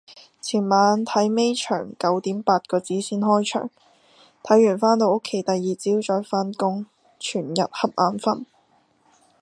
前晚睇尾場九點八個字先開場，睇完返到屋企第朝再返工，全日恰眼瞓